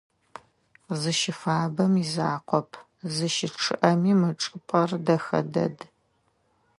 Зыщыфабэм изакъоп, зыщычъыӏэми мы чӏыпӏэр дэхэ дэд.